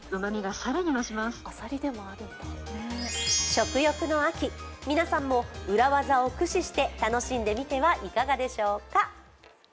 食欲の秋、皆さんも裏技を駆使して楽しんでみてはいかがでしょうか。